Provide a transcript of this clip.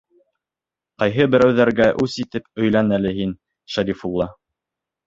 Ҡайһы берәүҙәргә үс итеп өйлән әле һин, Шәрифулла!